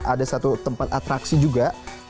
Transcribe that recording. ada satu tempat atraksi juga